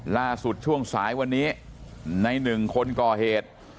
ล่าสุดช่วงสายวันนี้ในหนึ่งคนก่อเหตุ